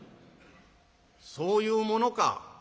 「そういうものか」。